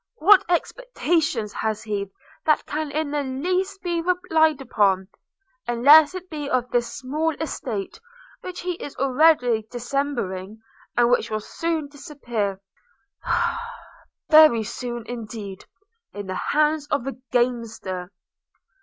What expectations has he that can in the least be relied upon, unless it be of this small estate, which he is already dismembering, and which will soon disappear – ah! very soon indeed, in the hands of a gamester.'